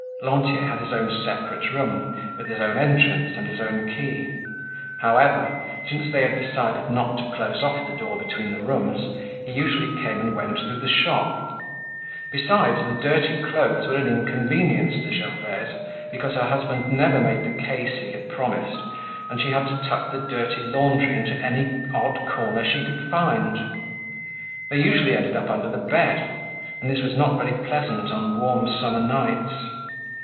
Lantier had his own separate room, with his own entrance and his own key. However, since they had decided not to close off the door between the rooms, he usually came and went through the shop. Besides, the dirty clothes were an inconvenience to Gervaise because her husband never made the case he had promised and she had to tuck the dirty laundry into any odd corner she could find. They usually ended up under the bed and this was not very pleasant on warm summer nights.